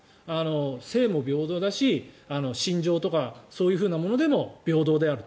性も平等だし信条とかそういうものでも平等であると。